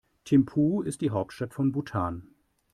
Thimphu ist die Hauptstadt von Bhutan.